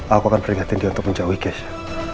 aku akan peringatin dia untuk menjauhi kesya